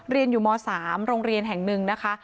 เรียนอยู่ม๓โรงเรียนแห่งหนึ่งนะคะ